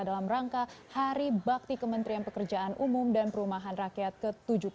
dalam rangka hari bakti kementerian pekerjaan umum dan perumahan rakyat ke tujuh puluh delapan